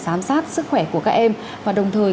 giám sát sức khỏe của các em và đồng thời